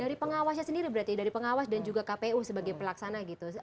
dari pengawasnya sendiri berarti dari pengawas dan juga kpu sebagai pelaksana gitu